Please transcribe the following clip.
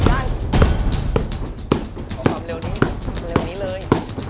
ขอความเร็วนี้เร็วนี้เลย